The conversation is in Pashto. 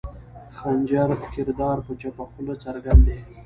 خنجر کردار پۀ چپه خله څرګند دے